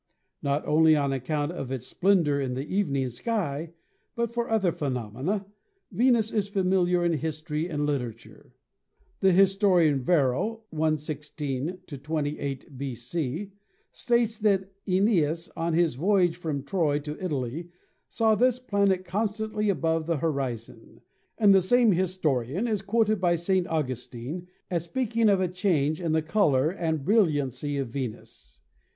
Not only on account of its splendor in the evening sky, but for other phenomena, Venus is familiar in history and literature. The historian Varro (116 28 b.c.) states that "iEneas on his voyage from Troy to Italy saw this planet constantly above the horizon," and the same historian is quoted by St. Augustine as speaking of a change in the 134 VENUS 135 color and brilliancy of Venus.